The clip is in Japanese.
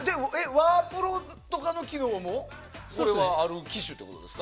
ワープロとかの機能もある機種ってことですか？